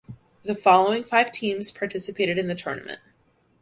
The following five teams participated in the tournament.